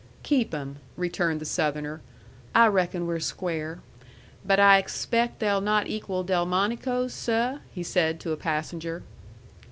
"Keep 'em," returned the Southerner. "I reckon we're square. But I expaict they'll not equal Delmonico's, seh?" he said to a passenger.